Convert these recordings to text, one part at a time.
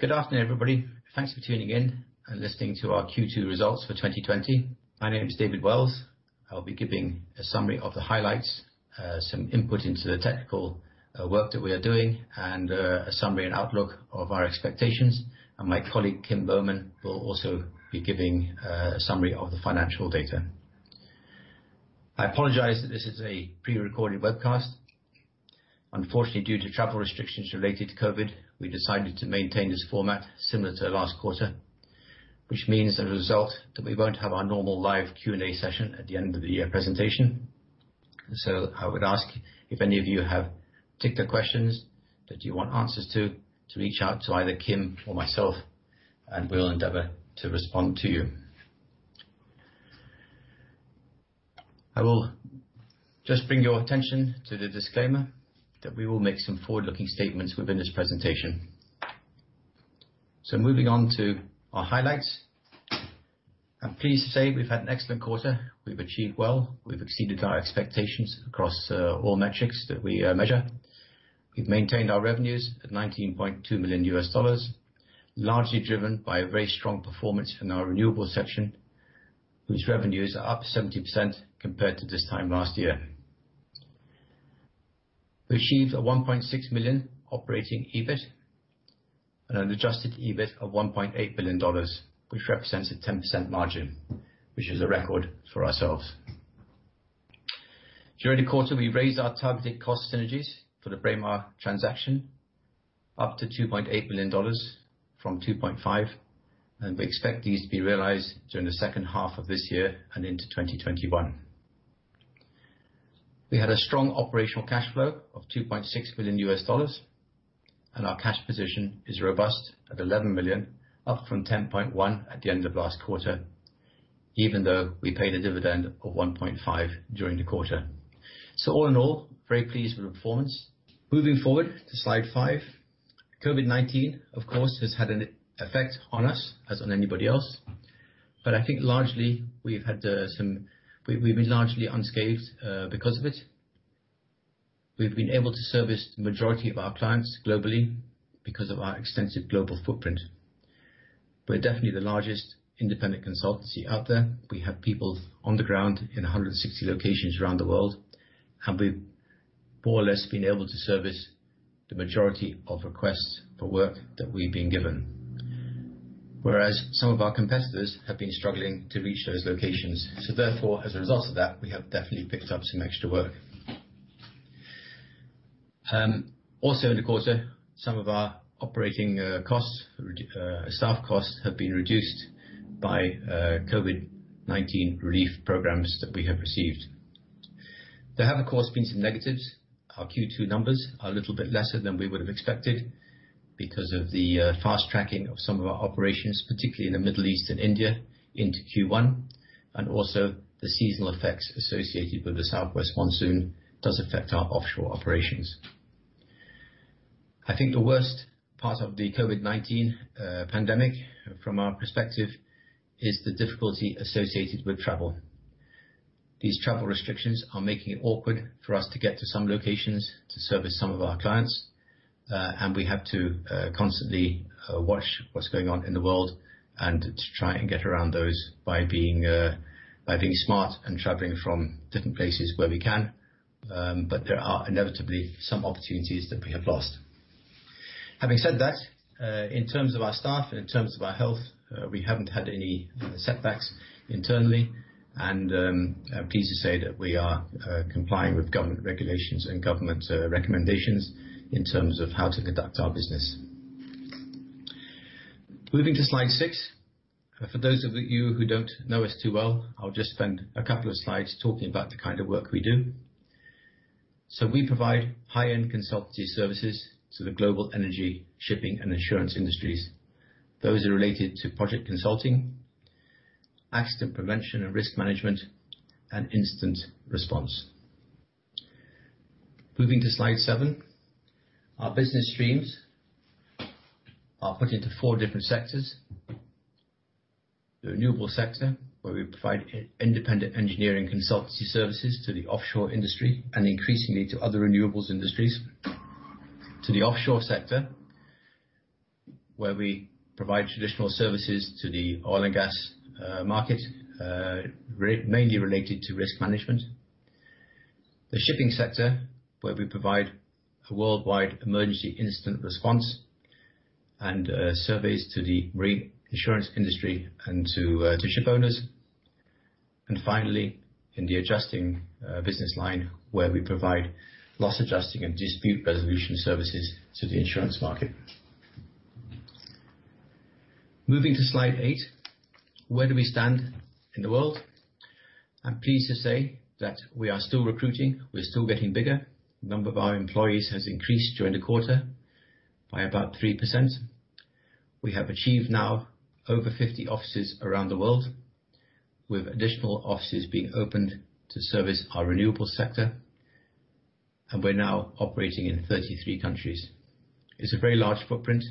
Good afternoon, everybody. Thanks for tuning in and listening to our Q2 results for 2020. My name is David Wells. I'll be giving a summary of the highlights, some input into the technical work that we are doing, and a summary and outlook of our expectations. My colleague, Kim Boman, will also be giving a summary of the financial data. I apologize that this is a pre-recorded webcast. Unfortunately, due to travel restrictions related to COVID-19, we decided to maintain this format similar to last quarter, which means as a result, that we won't have our normal live Q&A session at the end of the presentation. I would ask if any of you have particular questions that you want answers to reach out to either Kim or myself, and we'll endeavor to respond to you. I will just bring your attention to the disclaimer that we will make some forward-looking statements within this presentation. Moving on to our highlights. I'm pleased to say we've had an excellent quarter. We've achieved well. We've exceeded our expectations across all metrics that we measure. We've maintained our revenues at $19.2 million, largely driven by a very strong performance in our renewables section, whose revenues are up 70% compared to this time last year. We achieved a $1.6 million operating EBIT and an adjusted EBIT of $1.8 million, which represents a 10% margin, which is a record for ourselves. During the quarter, we raised our targeted cost synergies for the Braemar transaction up to $2.8 million from $2.5 million. We expect these to be realized during the second half of this year and into 2021. We had a strong operational cash flow of $2.6 million, and our cash position is robust at $11 million, up from $10.1 million at the end of last quarter, even though we paid a dividend of $1.5 million during the quarter. All in all, very pleased with the performance. Moving forward to slide five. COVID-19, of course, has had an effect on us as on anybody else. I think we've been largely unscathed because of it. We've been able to service the majority of our clients globally because of our extensive global footprint. We're definitely the largest independent consultancy out there. We have people on the ground in 160 locations around the world, and we've more or less been able to service the majority of requests for work that we've been given, whereas some of our competitors have been struggling to reach those locations. Therefore, as a result of that, we have definitely picked up some extra work. Also in the quarter, some of our operating staff costs have been reduced by COVID-19 relief programs that we have received. There have, of course, been some negatives. Our Q2 numbers are a little bit lesser than we would have expected because of the fast-tracking of some of our operations, particularly in the Middle East and India into Q1, and also the seasonal effects associated with the southwest monsoon does affect our offshore operations. I think the worst part of the COVID-19 pandemic from our perspective is the difficulty associated with travel. These travel restrictions are making it awkward for us to get to some locations to service some of our clients. We have to constantly watch what's going on in the world and to try and get around those by being smart and traveling from different places where we can. There are inevitably some opportunities that we have lost. Having said that, in terms of our staff, in terms of our health, we haven't had any setbacks internally, and I'm pleased to say that we are complying with government regulations and government recommendations in terms of how to conduct our business. Moving to slide six. For those of you who don't know us too well, I'll just spend a couple of slides talking about the kind of work we do. We provide high-end consultancy services to the global energy, shipping, and insurance industries. Those are related to project consulting, accident prevention and risk management, and incident response. Moving to slide seven. Our business streams are put into four different sectors. The renewable sector, where we provide independent engineering consultancy services to the offshore industry and increasingly to other renewables industries. To the offshore sector, where we provide traditional services to the oil and gas market, mainly related to risk management. The shipping sector, where we provide a worldwide emergency incident response and surveys to the reinsurance industry and to ship owners. Finally, in the adjusting business line, where we provide loss adjusting and dispute resolution services to the insurance market. Moving to slide eight. Where do we stand in the world? I'm pleased to say that we are still recruiting. We're still getting bigger. Number of our employees has increased during the quarter by about 3%. We have achieved now over 50 offices around the world, with additional offices being opened to service our renewable sector. We're now operating in 33 countries. It's a very large footprint.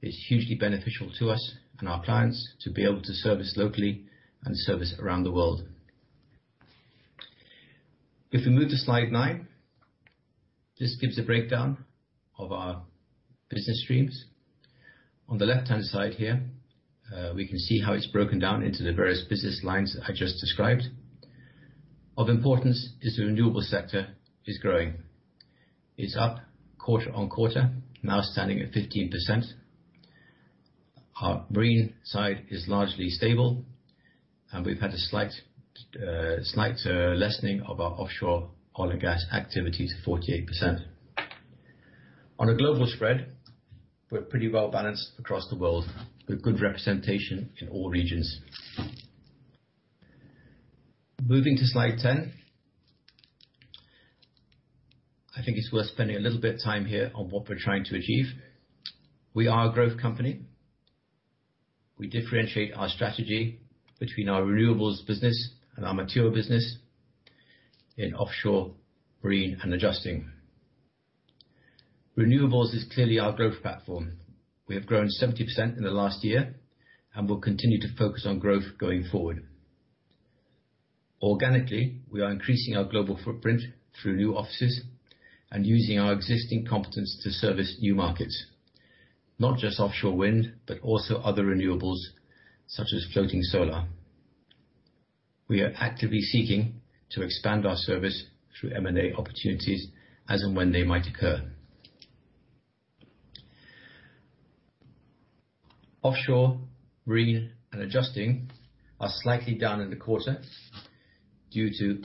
It's hugely beneficial to us and our clients to be able to service locally and service around the world. If we move to slide nine, this gives a breakdown of our business streams. On the left-hand side here, we can see how it's broken down into the various business lines that I just described. Of importance is the renewable sector is growing. It's up quarter-on-quarter, now standing at 15%. Our marine side is largely stable, and we've had a slight lessening of our offshore oil and gas activity to 48%. On a global spread, we're pretty well-balanced across the world with good representation in all regions. Moving to slide 10. I think it's worth spending a little bit of time here on what we're trying to achieve. We are a growth company. We differentiate our strategy between our renewables business and our mature business in offshore, marine, and adjusting. Renewables is clearly our growth platform. We have grown 70% in the last year, and will continue to focus on growth going forward. Organically, we are increasing our global footprint through new offices and using our existing competence to service new markets. Not just offshore wind, but also other renewables such as floating solar. We are actively seeking to expand our service through M&A opportunities as and when they might occur. Offshore, marine, and adjusting are slightly down in the quarter due to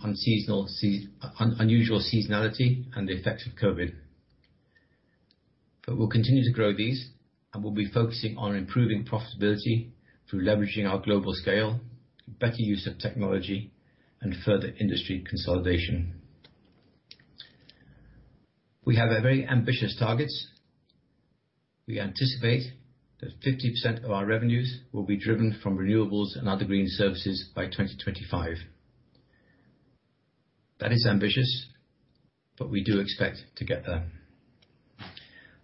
unusual seasonality and the effects of COVID-19. We'll continue to grow these, and we'll be focusing on improving profitability through leveraging our global scale, better use of technology, and further industry consolidation. We have very ambitious targets. We anticipate that 50% of our revenues will be driven from renewables and other green services by 2025. That is ambitious. We do expect to get there.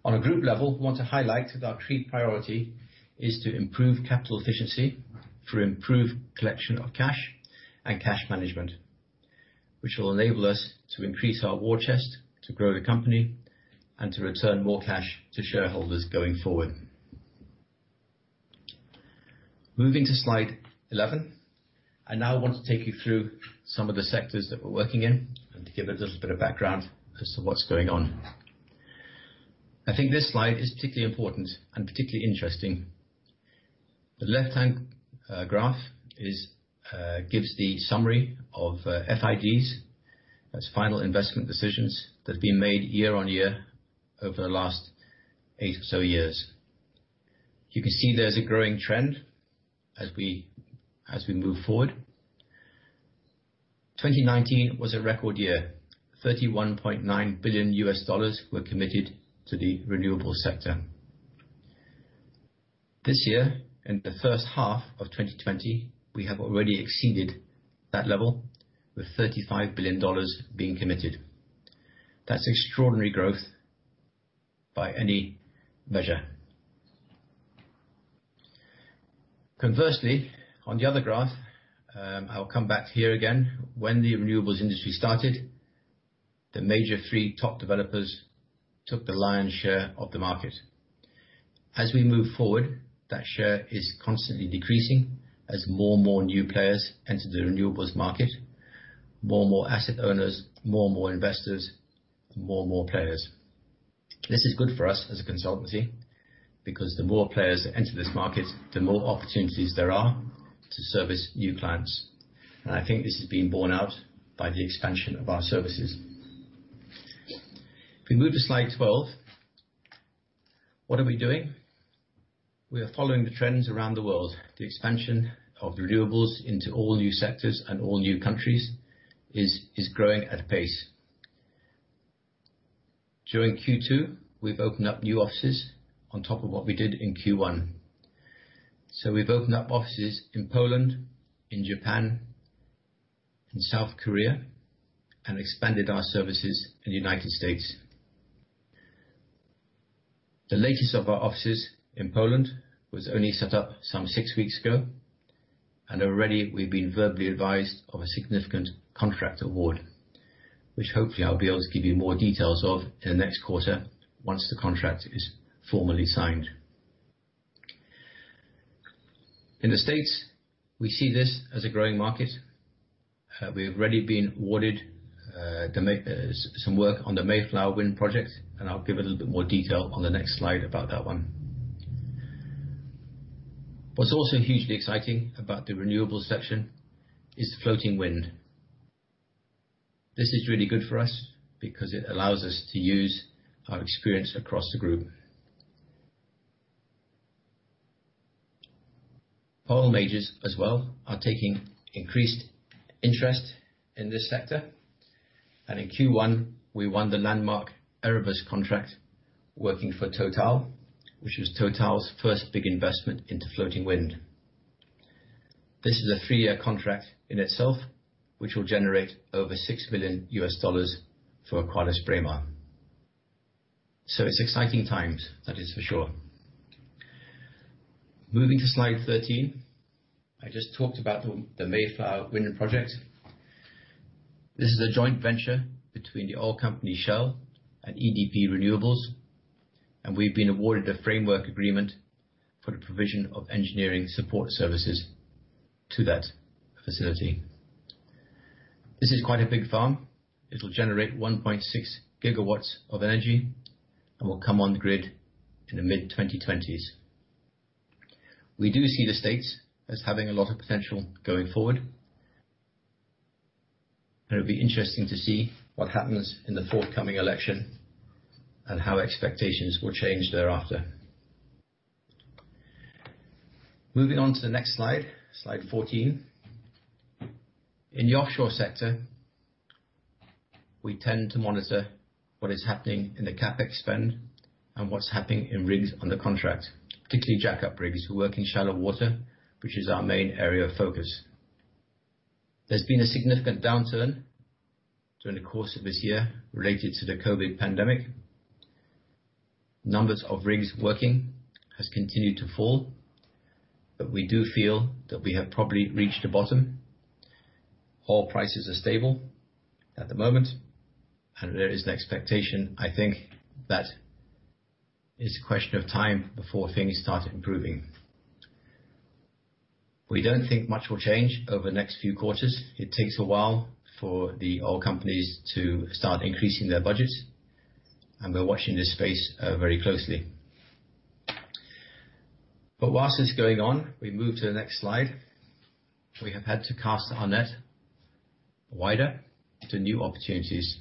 On a group level, we want to highlight that our key priority is to improve capital efficiency through improved collection of cash and cash management, which will enable us to increase our war chest to grow the company and to return more cash to shareholders going forward. Moving to slide 11. I now want to take you through some of the sectors that we're working in to give a little bit of background as to what's going on. I think this slide is particularly important and particularly interesting. The left-hand graph gives the summary of FIDs, that's Final Investment Decisions, that have been made year on year over the last eight or so years. You can see there's a growing trend as we move forward. 2019 was a record year. $31.9 billion were committed to the renewable sector. This year, in the first half of 2020, we have already exceeded that level with $35 billion being committed. That's extraordinary growth by any measure. Conversely, on the other graph, I will come back here again. When the renewables industry started, the major three top developers took the lion's share of the market. We move forward, that share is constantly decreasing as more and more new players enter the renewables market, more and more asset owners, more and more investors, more and more players. This is good for us as a consultancy because the more players that enter this market, the more opportunities there are to service new clients. I think this has been borne out by the expansion of our services. If we move to slide 12, what are we doing? We are following the trends around the world. The expansion of renewables into all new sectors and all new countries is growing at a pace. During Q2, we've opened up new offices on top of what we did in Q1. We've opened up offices in Poland, in Japan, in South Korea and expanded our services in the United States. The latest of our offices in Poland was only set up some six weeks ago, and already we've been verbally advised of a significant contract award, which hopefully I'll be able to give you more details of in the next quarter once the contract is formally signed. In the States, we see this as a growing market. We have already been awarded some work on the Mayflower Wind project, and I'll give a little bit more detail on the next slide about that one. What's also hugely exciting about the renewables section is floating wind. This is really good for us because it allows us to use our experience across the group. Oil majors as well are taking increased interest in this sector, and in Q1, we won the landmark Erebus contract working for Total, which was Total's first big investment into floating wind. This is a three-year contract in itself, which will generate over $6 billion for AqualisBraemar. It's exciting times, that is for sure. Moving to slide 13. I just talked about the Mayflower Wind project. This is a joint venture between the oil company Shell and EDP Renewables. We've been awarded a framework agreement for the provision of engineering support services to that facility. This is quite a big farm. It'll generate 1.6 GW of energy and will come on grid in the mid-2020s. We do see the States as having a lot of potential going forward. It'll be interesting to see what happens in the forthcoming election and how expectations will change thereafter. Moving on to the next slide 14. In the offshore sector, we tend to monitor what is happening in the CapEx spend and what's happening in rigs under contract, particularly jackup rigs who work in shallow water, which is our main area of focus. There's been a significant downturn during the course of this year related to the COVID-19 pandemic. Numbers of rigs working has continued to fall, but we do feel that we have probably reached the bottom. Oil prices are stable at the moment, and there is an expectation, I think, that it's a question of time before things start improving. We don't think much will change over the next few quarters. It takes a while for the oil companies to start increasing their budgets, and we're watching this space very closely. Whilst it's going on, we move to the next slide. We have had to cast our net wider to new opportunities.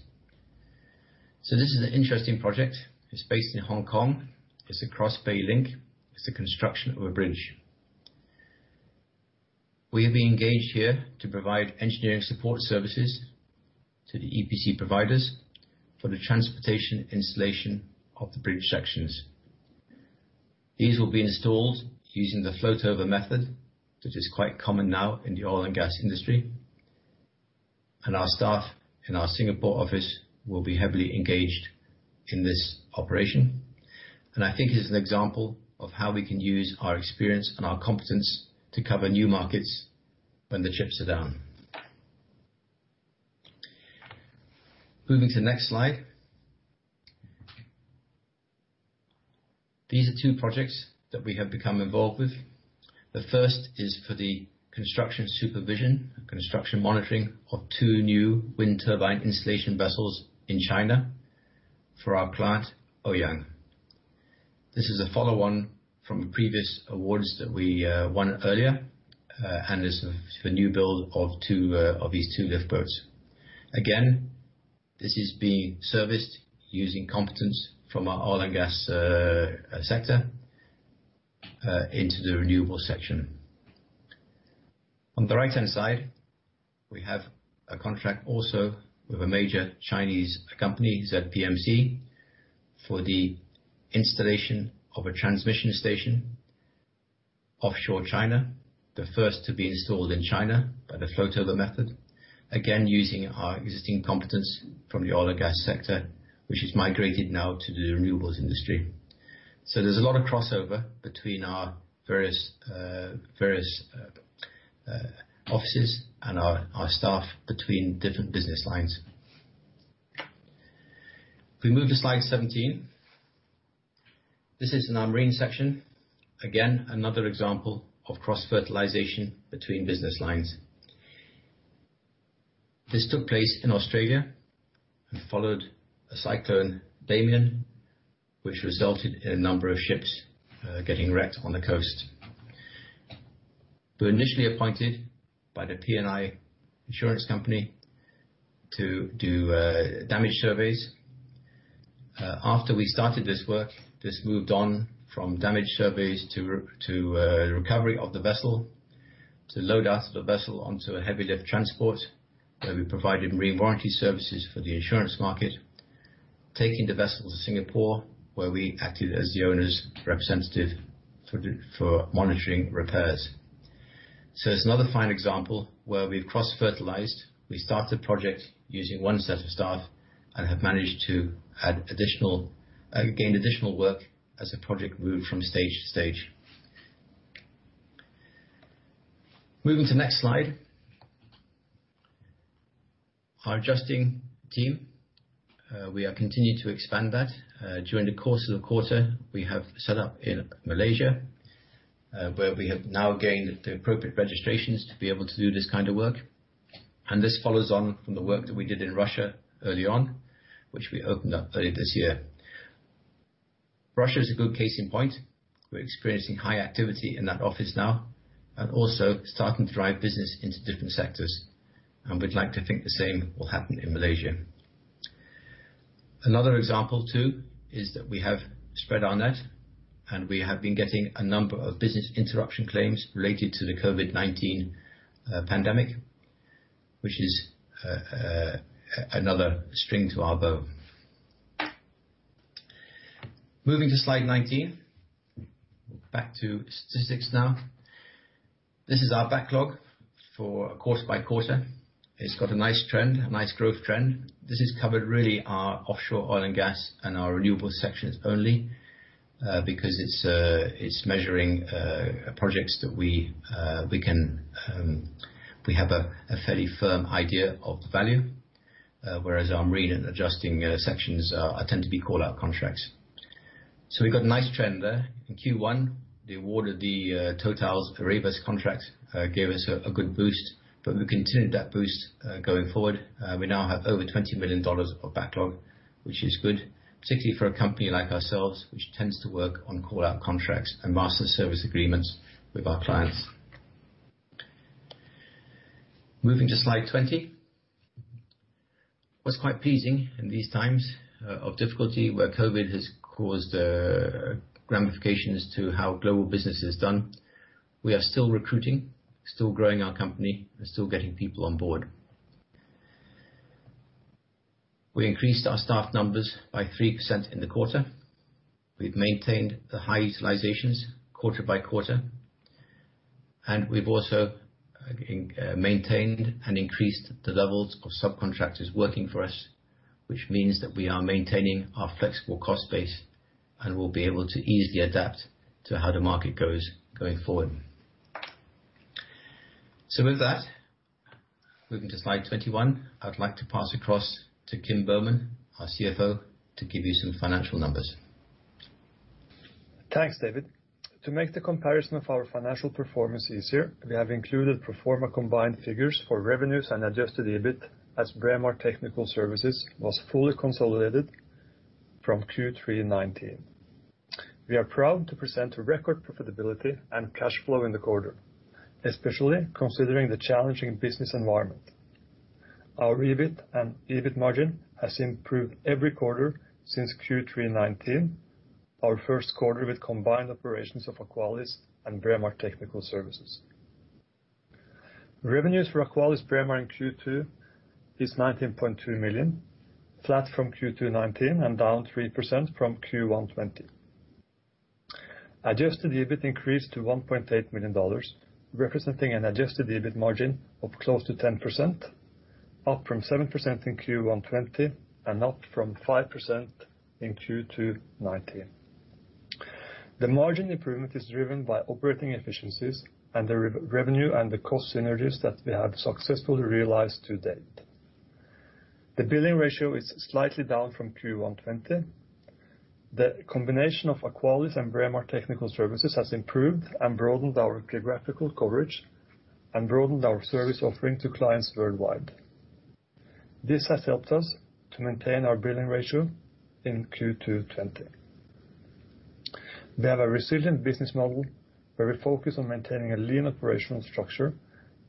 This is an interesting project. It's based in Hong Kong. It's the Cross Bay Link. It's the construction of a bridge. We have been engaged here to provide engineering support services to the EPC providers for the transportation installation of the bridge sections. These will be installed using the floatover method, which is quite common now in the oil and gas industry. Our staff in our Singapore office will be heavily engaged in this operation. I think it is an example of how we can use our experience and our competence to cover new markets when the chips are down. Moving to next slide. These are two projects that we have become involved with. The first is for the construction supervision, construction monitoring of two new wind turbine installation vessels in China for our client, Ouyang. This is a follow on from the previous awards that we won earlier, and is the new build of these two lift boats. Again, this is being serviced using competence from our oil and gas sector into the renewable section. On the right-hand side, we have a contract also with a major Chinese company, ZPMC, for the installation of a transmission station, offshore China, the first to be installed in China by the floatover method. Using our existing competence from the oil and gas sector, which is migrated now to the renewables industry. There's a lot of crossover between our various offices and our staff between different business lines. If we move to slide 17. This is in our marine section. Another example of cross-fertilization between business lines. This took place in Australia and followed Cyclone Damien, which resulted in a number of ships getting wrecked on the coast. We were initially appointed by the P&I insurance company to do damage surveys. After we started this work, this moved on from damage surveys to recovery of the vessel, to load out the vessel onto a heavy lift transport, where we provided marine warranty services for the insurance market, taking the vessel to Singapore, where we acted as the owner's representative for monitoring repairs. It's another fine example where we've cross-fertilized. We started the project using one set of staff and have managed to gain additional work as the project moved from stage to stage. Moving to next slide. Our adjusting team, we are continuing to expand that. During the course of the quarter, we have set up in Malaysia, where we have now gained the appropriate registrations to be able to do this kind of work. This follows on from the work that we did in Russia early on, which we opened up early this year. Russia is a good case in point. We're experiencing high activity in that office now and also starting to drive business into different sectors, and we'd like to think the same will happen in Malaysia. Another example, too, is that we have spread our net, and we have been getting a number of business interruption claims related to the COVID-19 pandemic, which is another string to our bow. Moving to slide 19. Back to statistics now. This is our backlog for quarter by quarter. It's got a nice trend, a nice growth trend. This has covered really our offshore oil and gas and our renewables sections only, because it's measuring projects that we have a fairly firm idea of the value, whereas our marine and adjusting sections tend to be call-out contracts. We've got a nice trend there. In Q1, the award of the Total's Erebus contract gave us a good boost, but we continued that boost going forward. We now have over $20 million of backlog, which is good, particularly for a company like ourselves, which tends to work on call-out contracts and master service agreements with our clients. Moving to slide 20. What's quite pleasing in these times of difficulty, where COVID has caused ramifications to how global business is done, we are still recruiting, still growing our company, and still getting people on board. We increased our staff numbers by 3% in the quarter. We've maintained the high utilizations quarter by quarter, and we've also maintained and increased the levels of subcontractors working for us, which means that we are maintaining our flexible cost base and will be able to easily adapt to how the market goes going forward. With that, moving to slide 21, I'd like to pass across to Kim Boman, our CFO, to give you some financial numbers. Thanks, David. To make the comparison of our financial performance easier, we have included pro forma combined figures for revenues and adjusted EBIT, as Braemar Technical Services was fully consolidated from Q3 2019. We are proud to present a record profitability and cash flow in the quarter, especially considering the challenging business environment. Our EBIT and EBIT margin has improved every quarter since Q3 2019, our first quarter with combined operations of Aqualis and Braemar Technical Services. Revenues for AqualisBraemar in Q2 is $19.2 million, flat from Q2 2019 and down 3% from Q1 2020. Adjusted EBIT increased to $1.8 million, representing an adjusted EBIT margin of close to 10%, up from 7% in Q1 2020 and up from 5% in Q2 2019. The margin improvement is driven by operating efficiencies and the revenue and the cost synergies that we have successfully realized to date. The billing ratio is slightly down from Q1 2020. The combination of Aqualis and Braemar Technical Services has improved and broadened our geographical coverage and broadened our service offering to clients worldwide. This has helped us to maintain our billing ratio in Q2 2020. We have a resilient business model where we focus on maintaining a lean operational structure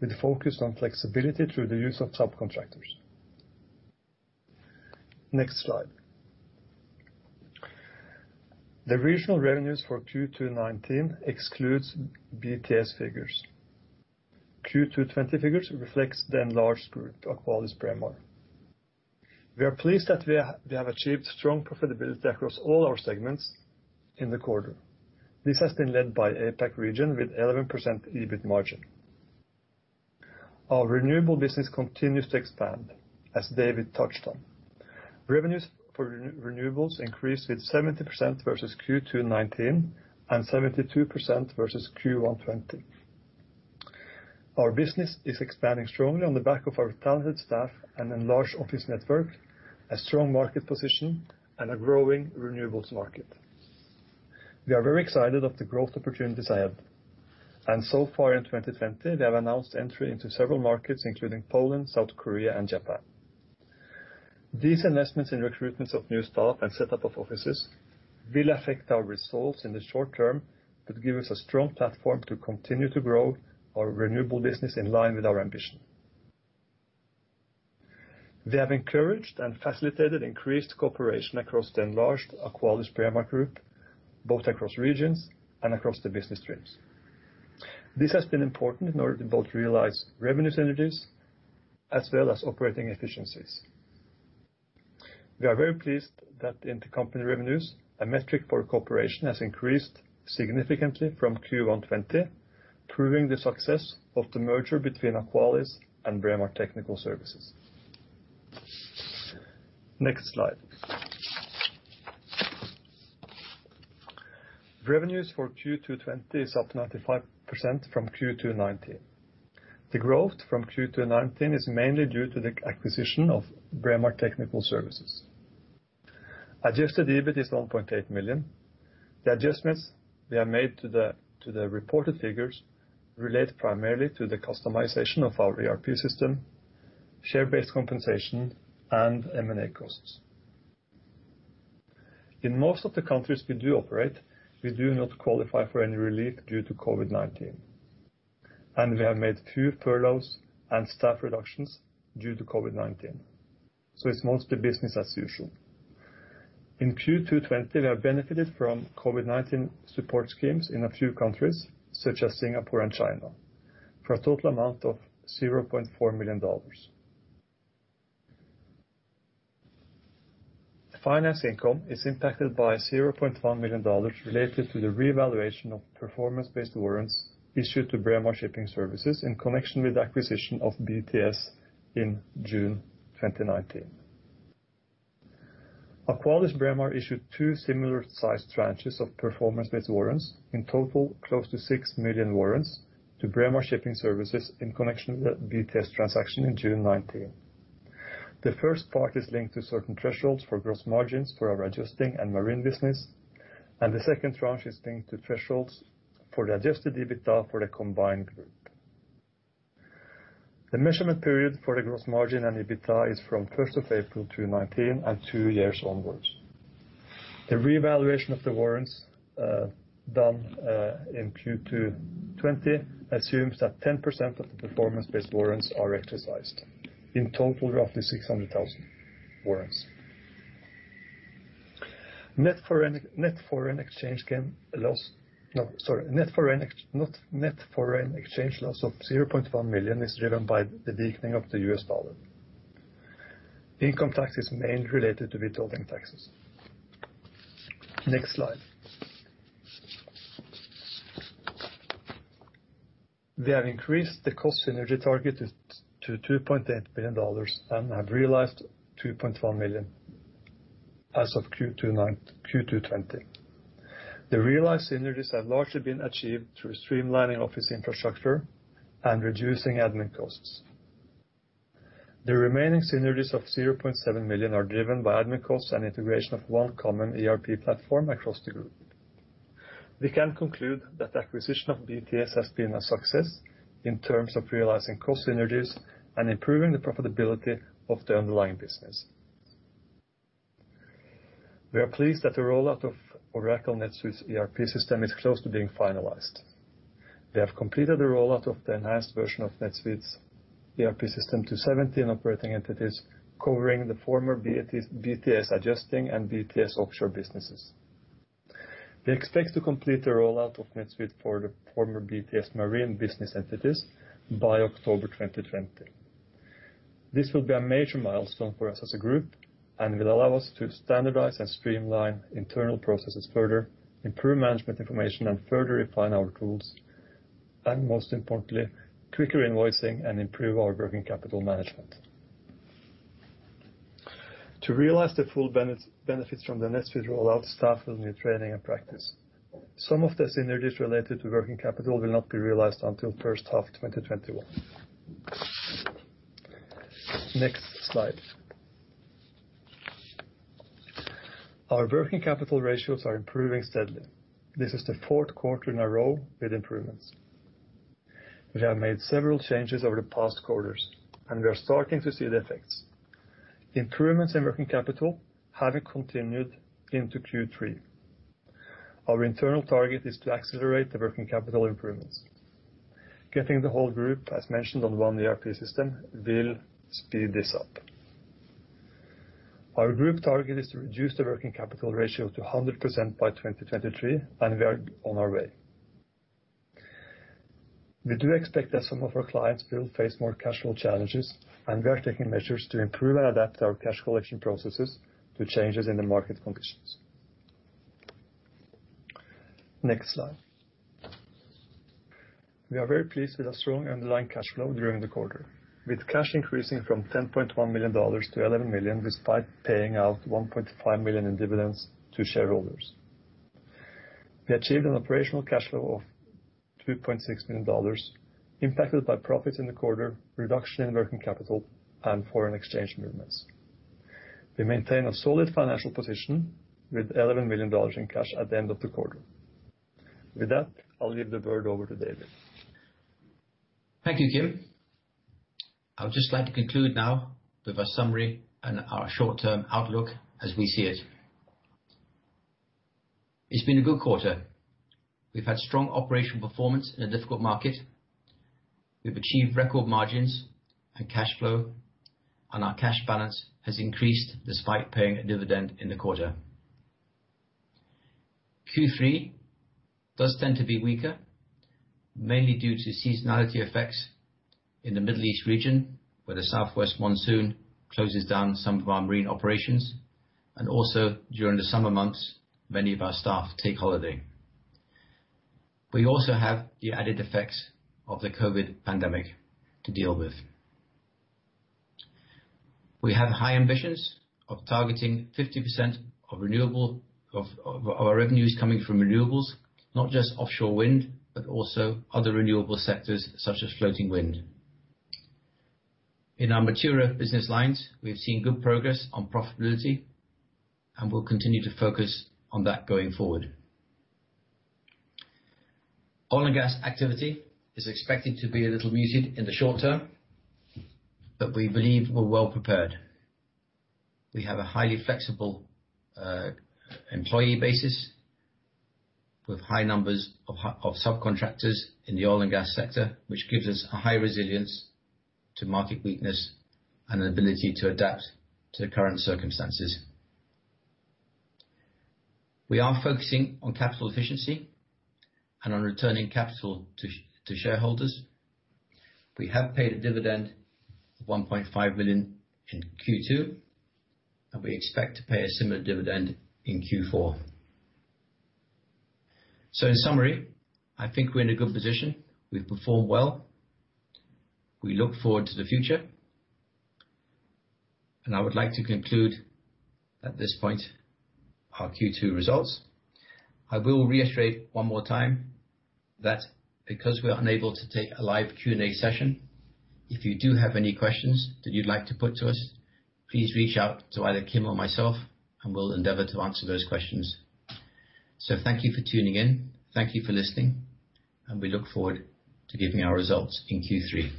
with focus on flexibility through the use of subcontractors. Next slide. The regional revenues for Q2 2019 excludes BTS figures. Q2 2020 figures reflects the enlarged group, AqualisBraemar. We are pleased that we have achieved strong profitability across all our segments in the quarter. This has been led by APAC region with 11% EBIT margin. Our renewable business continues to expand, as David touched on. Revenues for renewables increased with 70% versus Q2 2019 and 72% versus Q1 2020. Our business is expanding strongly on the back of our talented staff and enlarged office network, a strong market position, and a growing renewables market. We are very excited of the growth opportunities ahead. So far in 2020, we have announced entry into several markets, including Poland, South Korea, and Japan. These investments in recruitments of new staff and setup of offices will affect our results in the short term. Give us a strong platform to continue to grow our renewable business in line with our ambition. We have encouraged and facilitated increased cooperation across the enlarged AqualisBraemar Group, both across regions and across the business streams. This has been important in order to both realize revenue synergies as well as operating efficiencies. We are very pleased that intercompany revenues, a metric for cooperation, has increased significantly from Q1 2020, proving the success of the merger between Aqualis and Braemar Technical Services. Next slide. Revenues for Q2 2020 is up 95% from Q2 2019. The growth from Q2 2019 is mainly due to the acquisition of Braemar Technical Services. Adjusted EBIT is $1.8 million. The adjustments that are made to the reported figures relate primarily to the customization of our ERP system, share-based compensation, and M&A costs. In most of the countries we do operate, we do not qualify for any relief due to COVID-19, and we have made few furloughs and staff reductions due to COVID-19. It's mostly business as usual. In Q2 2020, we have benefited from COVID-19 support schemes in a few countries, such as Singapore and China, for a total amount of $0.4 million. Finance income is impacted by $0.1 million related to the revaluation of performance-based warrants issued to Braemar Shipping Services in connection with the acquisition of BTS in June 2019. AqualisBraemar issued two similar-sized tranches of performance-based warrants, in total close to 6 million warrants to Braemar Shipping Services in connection with the BTS transaction in June 2019. The first part is linked to certain thresholds for gross margins for our adjusting and marine business, and the second tranche is linked to thresholds for adjusted EBITDA for the combined group. The measurement period for the gross margin and EBITDA is from 1st of April 2019 and two years onwards. The revaluation of the warrants done in Q2 2020 assumes that 10% of the performance-based warrants are exercised. In total, roughly 600,000 warrants. No, sorry. Net foreign exchange loss of $0.1 million is driven by the weakening of the U.S. dollar. Income tax is mainly related to withholding taxes. Next slide. We have increased the cost synergy target to $2.8 billion and have realized $2.1 million as of Q2 2020. The realized synergies have largely been achieved through streamlining office infrastructure and reducing admin costs. The remaining synergies of $0.7 million are driven by admin costs and integration of one common ERP platform across the group. We can conclude that the acquisition of BTS has been a success in terms of realizing cost synergies and improving the profitability of the underlying business. We are pleased that the rollout of Oracle NetSuite's ERP system is close to being finalized. We have completed the rollout of the enhanced version of NetSuite's ERP system to 17 operating entities, covering the former BTS Adjusting and BTS Offshore businesses. We expect to complete the rollout of NetSuite for the former Braemar Marine business entities by October 2020. This will be a major milestone for us as a group and will allow us to standardize and streamline internal processes further, improve management information, and further refine our tools, and most importantly, quicker invoicing and improve our working capital management. To realize the full benefits from the NetSuite rollout, staff will need training and practice. Some of the synergies related to working capital will not be realized until first half 2021. Next slide. Our working capital ratios are improving steadily. This is the fourth quarter in a row with improvements. We have made several changes over the past quarters, and we are starting to see the effects. Improvements in working capital have continued into Q3. Our internal target is to accelerate the working capital improvements. Getting the whole group, as mentioned, on one ERP system will speed this up. Our group target is to reduce the working capital ratio to 100% by 2023, and we are on our way. We do expect that some of our clients will face more casual challenges, and we are taking measures to improve and adapt our cash collection processes to changes in the market conditions. Next slide. We are very pleased with our strong underlying cash flow during the quarter, with cash increasing from $10.1 million to $11 million, despite paying out $1.5 million in dividends to shareholders. We achieved an operational cash flow of $2.6 million, impacted by profits in the quarter, reduction in working capital, and foreign exchange movements. We maintain a solid financial position with $11 million in cash at the end of the quarter. With that, I'll give the word over to David. Thank you, Kim. I would just like to conclude now with a summary and our short-term outlook as we see it. It's been a good quarter. We've had strong operational performance in a difficult market. We've achieved record margins and cash flow, and our cash balance has increased despite paying a dividend in the quarter. Q3 does tend to be weaker, mainly due to seasonality effects in the Middle East region, where the southwest monsoon closes down some of our marine operations, and also during the summer months, many of our staff take holiday. We also have the added effects of the COVID pandemic to deal with. We have high ambitions of targeting 50% of our revenues coming from renewables, not just offshore wind, but also other renewable sectors such as floating wind. In our maturer business lines, we've seen good progress on profitability, and we'll continue to focus on that going forward. Oil and gas activity is expected to be a little muted in the short term, but we believe we're well prepared. We have a highly flexible employee basis with high numbers of subcontractors in the oil and gas sector, which gives us a high resilience to market weakness and an ability to adapt to the current circumstances. We are focusing on capital efficiency and on returning capital to shareholders. We have paid a dividend of $1.5 million in Q2, and we expect to pay a similar dividend in Q4. In summary, I think we're in a good position. We've performed well. We look forward to the future. I would like to conclude at this point our Q2 results. I will reiterate one more time that because we are unable to take a live Q&A session, if you do have any questions that you'd like to put to us, please reach out to either Kim or myself, and we'll endeavor to answer those questions. Thank you for tuning in. Thank you for listening, and we look forward to giving our results in Q3.